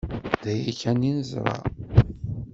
D aya kan i neẓra.